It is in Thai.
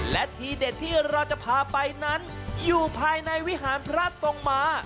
และทีเด็ดที่เราจะพาไปนั้นอยู่ภายในวิหารพระทรงหมา